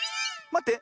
まって。